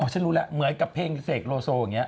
อ๋อฉันรู้แล้วเหมือนกับเพลงเศรษฐโรโซ